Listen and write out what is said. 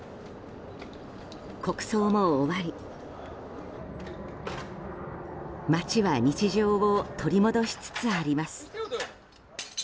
国葬も終わり、街は日常を取り戻しつつあります。